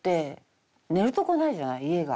家が。